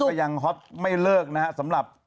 ก็ยังฮอตไม่เลิกนะฮะสำหรับ